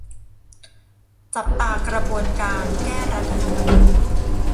จับตากระบวนการ แก้รัฐธรรมนูญ